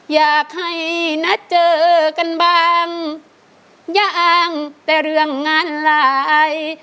อยากให้นัดเจอกันบางอย่างแต่เรื่องงานหลาย